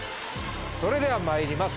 それではまいります